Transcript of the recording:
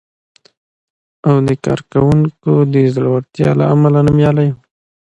او کارونکو د زړورتیا له امله نومیالی و،